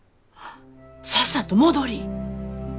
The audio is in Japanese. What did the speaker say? さっさと戻りい。